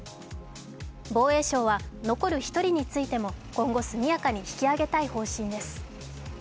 防衛省は残る１人についても今後、速やかに引き揚げたい方針です。